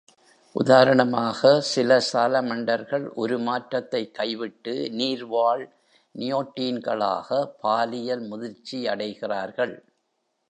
உதாரணமாக, சில சாலமண்டர்கள் உருமாற்றத்தை கைவிட்டு, நீர்வாழ் நியோடீன்களாக பாலியல் முதிர்ச்சியடைகிறார்கள்.